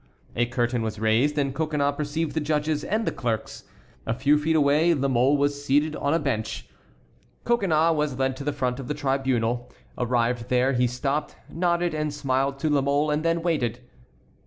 A curtain was raised, and Coconnas perceived the judges and the clerks. A few feet away La Mole was seated on a bench. Coconnas was led to the front of the tribunal. Arrived there, he stopped, nodded and smiled to La Mole, and then waited.